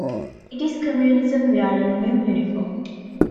It is Communism wearing a new uniform.